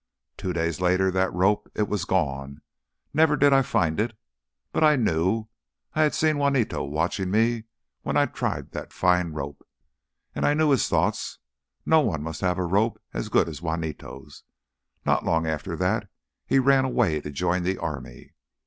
Two days later, that rope, it was gone, never did I find it. But I knew—I had seen Juanito watching me when I tried that fine rope. And I knew his thoughts: no one must have a rope as good as Juanito's! Not long after that he ran away, to join the army.